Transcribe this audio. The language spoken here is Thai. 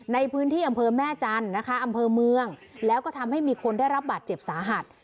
ในพื้นที่อำเภอแม่จันทร์นะคะอำเภอเมืองแล้วก็ทำให้มีคนได้รับบาดเจ็บสาหัส